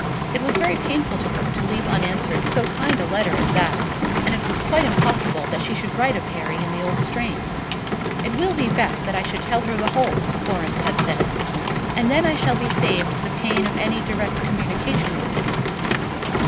It was very painful to her to leave unanswered so kind a letter as that, and it was quite impossible that she should write of Harry in the old strain. "It will be best that I should tell her the whole," Florence had said, "and then I shall be saved the pain of any direct communication with him."